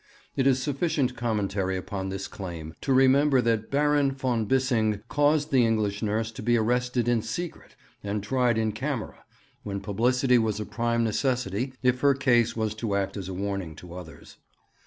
It is sufficient commentary upon this claim to remember that Baron von Bissing caused the English nurse to be arrested in secret and tried in camera, when publicity was a prime necessity if her case was to act as a warning to others.